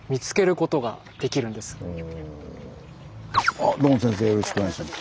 あっどうも先生よろしくお願いします。